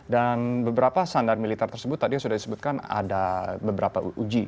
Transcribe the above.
dan beberapa standar militer tersebut tadi sudah disebutkan ada beberapa uji